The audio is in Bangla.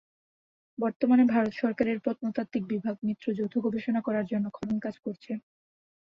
বর্তমানে, ভারত সরকারের প্রত্নতাত্ত্বিক বিভাগ মিত্র যৌথ গবেষণা করার জন্য খননকাজ করছে।